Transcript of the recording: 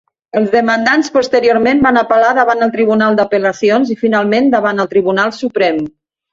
Els demandants posteriorment van apel·lar davant el Tribunal d'Apel·lacions i finalment davant el Tribunal Suprem.